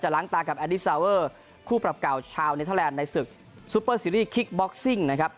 จะล้างตากับคู่ปรับเก่าชาวในศึกซูเปอร์ซีรีส์นะครับ